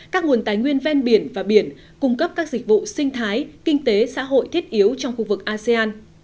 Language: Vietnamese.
các nguồn tài nguyên ven biển và biển cung cấp các dịch vụ sinh thái kinh tế xã hội thiết yếu trong khu vực asean